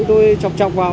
tôi chọc chọc vào